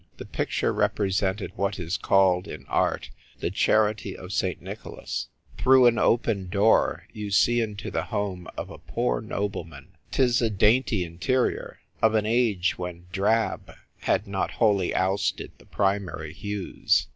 The picture represented what is called in art the Charity of St. Nicholas. Through an open door you see into the home of a poor noble man. 'Tis a dainty interior, of the age when drab had not wholly ousted the primary hues.